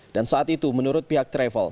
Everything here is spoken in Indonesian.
dan saat itu menurut pihak travel